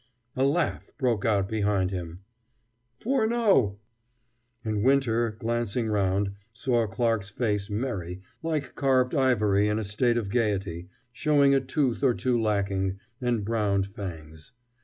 A laugh broke out behind him. "Furneaux!" And Winter, glancing round, saw Clarke's face merry, like carved ivory in a state of gayety, showing a tooth or two lacking, and browned fangs.